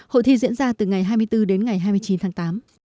hội thi diễn ra từ ngày hai mươi bốn đến ngày hai mươi chín tháng tám